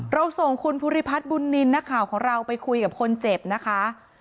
เราส่งคุณภูริพัฒน์บุญนินทร์นักข่าวของเราไปคุยกับคนเจ็บนะคะ